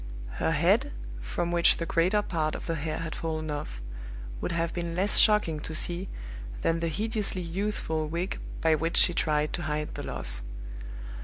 Her head, from which the greater part of the hair had fallen off; would have been less shocking to see than the hideously youthful wig by which she tried to hide the loss.